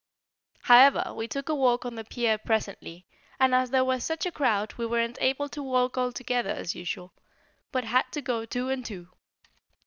However we took a walk on the pier presently, and as there was such a crowd we weren't able to walk all together as usual, but had to go two and two.